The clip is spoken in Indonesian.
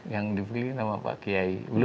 yang dipilih nama pak kiai